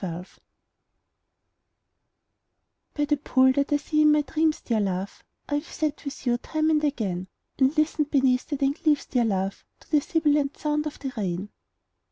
THE POOL By the pool that I see in my dreams, dear love, I have sat with you time and again; And listened beneath the dank leaves, dear love, To the sibilant sound of the rain.